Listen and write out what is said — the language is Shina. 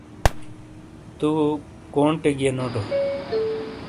تو کونٹے گئیے نوٹو۔